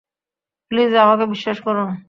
Please আমাকে বিশ্বাস করুন।